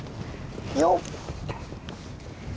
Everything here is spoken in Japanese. よっ。